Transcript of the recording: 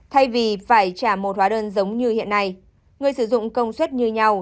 thay vì phải trả một hóa đơn giống như hiện nay người sử dụng công suất như nhau